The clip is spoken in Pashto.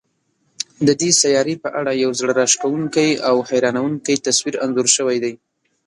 د دې سیارې په اړه یو زړه راښکونکی او حیرانوونکی تصویر انځور شوی دی.